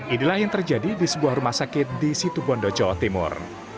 inilah yang terjadi di sebuah rumah sakit di situ bondo jawa timur